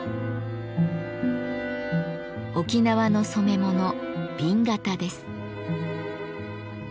沖縄の染め物紅型です。